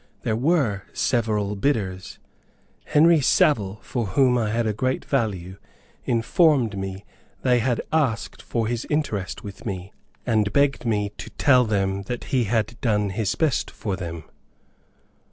There were several bidders. Harry Savile, for whom I had a great value, informed me that they had asked for his interest with me, and begged me to tell them that he had done his best for them.